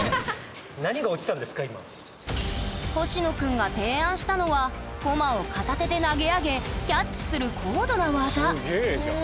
ほしのくんが提案したのはコマを片手で投げ上げキャッチする高度な技すげえじゃん。